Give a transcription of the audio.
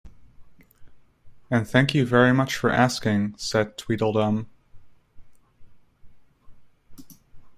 And thank you very much for asking,’ said Tweedledum.